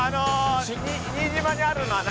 新島にあるのは何？